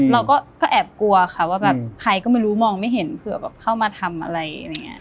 เราก็แอบกลัวค่ะว่าแบบใครก็ไม่รู้มองไม่เห็นเผื่อแบบเข้ามาทำอะไรอะไรอย่างนี้